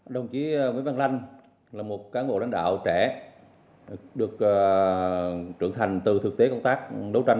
đồng chí nguyễn văn lanh là một cán bộ lãnh đạo trẻ được trưởng thành từ thực tế công tác đấu tranh